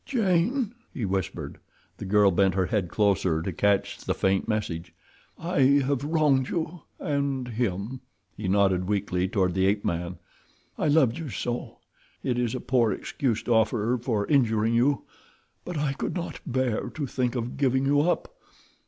"Jane," he whispered. The girl bent her head closer to catch the faint message. "I have wronged you—and him," he nodded weakly toward the ape man. "I loved you so—it is a poor excuse to offer for injuring you; but I could not bear to think of giving you up.